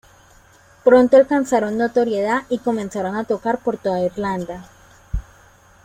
Pronto alcanzaron notoriedad y comenzaron a tocar por toda Irlanda.